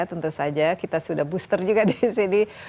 tentu saja kita sudah booster juga di sini